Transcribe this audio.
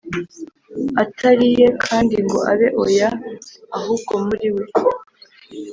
atari Yee kandi ngo abe Oya ahubwo muri we